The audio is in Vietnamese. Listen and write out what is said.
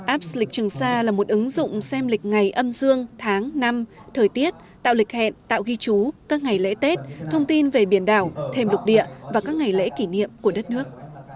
apps lịch trường xa là một ứng dụng xem lịch ngày âm dương tháng năm thời tiết tạo lịch hẹn tạo ghi chú các ngày lễ tết thông tin về biển đảo thêm lục địa và các ngày lễ kỷ niệm của đất nước